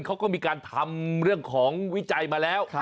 เขาก็มีการทำเรื่องของวิจัยมาแล้ว